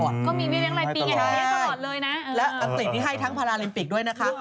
และอังกฤษที่ให้ทั้งพาราอลิมปิกด้วยนะฮะ